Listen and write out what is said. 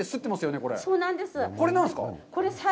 これは何ですか？